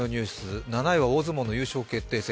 ７位は大相撲の優勝決定戦。